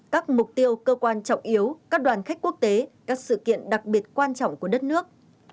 các mục tiêu cơ quan trọng yếu các đoàn khách quốc tế các sự kiện đặc biệt quan trọng của đất nước